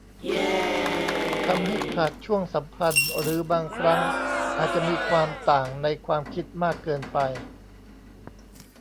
ทำให้ขาดช่วงสัมพันธ์หรือบางครั้งอาจจะมีความต่างในความคิดมากเกินไป